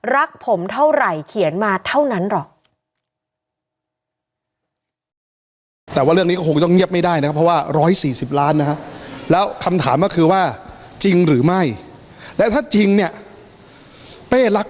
ผมเท่าไหร่เขียนมาเท่านั้นหรอก